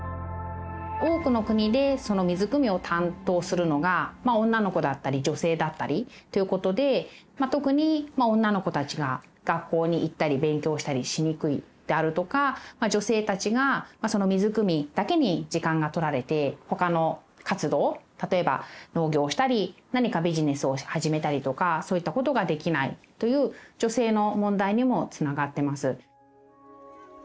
多くの国でその水くみを担当するのが女の子だったり女性だったりということで特に女の子たちが学校に行ったり勉強したりしにくいであるとか女性たちがその水くみだけに時間が取られてほかの活動例えば農業したり何かビジネスを始めたりとかそういったことができないという女性の問題にもつながってます。